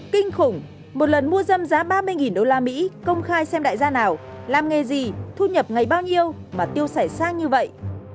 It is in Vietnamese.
kinh khủng một lần mua dâm giá ba mươi đô la mỹ công khai xem đại gia nào làm nghề gì thu nhập ngày bao nhiêu mà tiêu sải sang như vậy